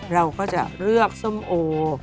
เราก็จะเลือกส้มโอ